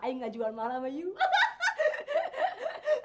ay nggak jual malam yuk